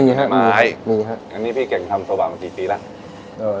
เพียงทำโซบามากี่ปีแล้ว